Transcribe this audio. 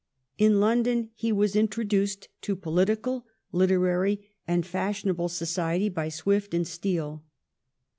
In London he was in troduced to political, literary, and fashionable society by Swift and Steele.